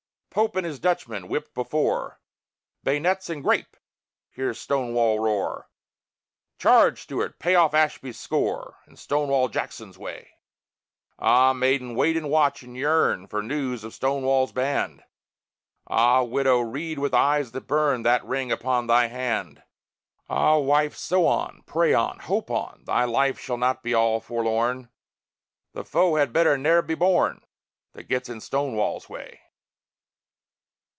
Pope and his Dutchmen, whipped before; "Bay'nets and grape!" hear Stonewall roar; "Charge, Stuart! Pay off Ashby's score!" In "Stonewall Jackson's way." Ah! Maiden, wait and watch and yearn For news of Stonewall's band! Ah! Widow, read, with eyes that burn, That ring upon thy hand. Ah! Wife, sew on, pray on, hope on; Thy life shall not be all forlorn; The foe had better ne'er been born That gets in "Stonewall's way."